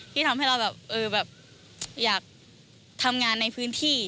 ที่ทำให้เราแบบอยากทำงานในพื้นที่